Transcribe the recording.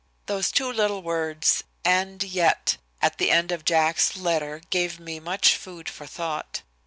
Those two little words, "and yet," at the end of Jack's letter gave me much food for thought.